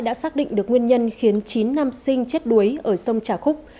đã xác định được nguyên nhân khiến chín nam sinh chết đuối ở sông trà khúc